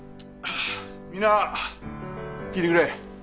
みんな聞いてくれ。